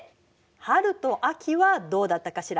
春と秋はどうだったかしら？